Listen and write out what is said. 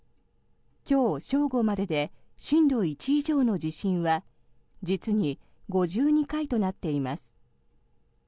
今日正午までで震度１以上の地震は実に５２回となっています。